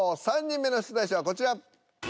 ３人目の出題者はこちら。